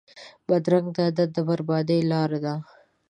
بدرنګه عادت د بربادۍ لاره ده